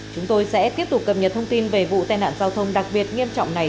chúng tôi sẽ tiếp tục cập nhật thông tin về vụ tai nạn giao thông đặc biệt nghiêm trọng này